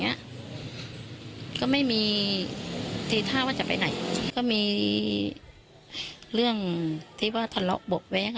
เนี้ยก็ไม่มีทีท่าว่าจะไปไหนก็มีเรื่องที่ว่าทะเลาะเบาะแว้ง